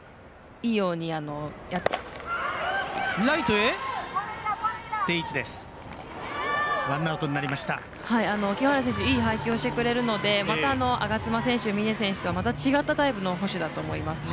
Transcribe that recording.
いい配球をしてくれるのでまた、我妻選手、峰選手とはまた違ったタイプの捕手だと思いますね。